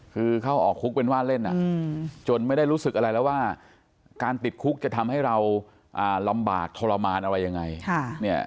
คือเข้าออกคุกเป็นว่าเล่นจนไม่ได้รู้สึกอะไรแล้วว่าการติดคุกจะทำให้เราลำบากทรมานอะไรยังไง